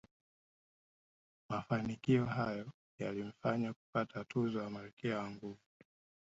Mafanikio hayo yalimfanya kupata tuzo ya malkia wa nguvu